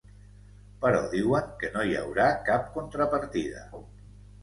Però diuen que no hi haurà cap contrapartida.